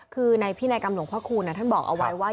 คือในพินัยกรรมหลวงพ่อคูณท่านบอกเอาไว้ว่า